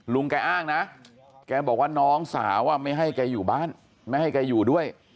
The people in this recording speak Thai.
ลุงแกอ้างนะแกบอกว่าน้องสาวไม่ให้แกอยู่บ้านไม่ให้แกอยู่ด้วย